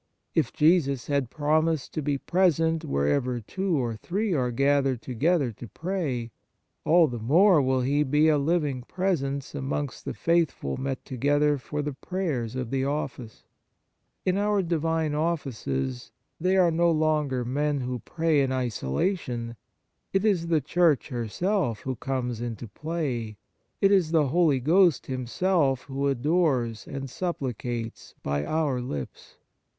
If Jesus has promised to be present wherever two or three are gathered 43 On the Exercises of Piety together to pray, all the more will He be a living presence amongst the faithful met together for the prayers of the Office. In our divine offices, they are no longer men who pray in isolation, it is the Church herself who comes into play, it is the Holy Ghost Himself who adores and supplicates by our lips.